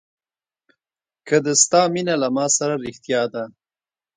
که د ستا مینه له ما سره رښتیا ده.